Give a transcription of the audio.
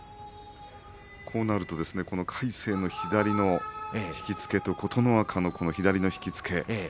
こうなると魁聖の左の引き付け琴ノ若の左の引き付け